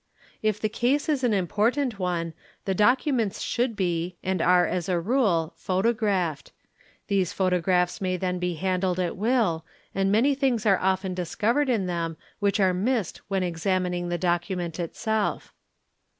If the case is an 1mpor tant one the documents should be, and are as a rule, photographed; these — photographs may then be handled at will and many things are often dis covered in them which are missed when examining the document itself.